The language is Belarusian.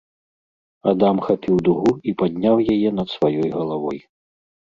Адам хапіў дугу і падняў яе над сваёй галавой.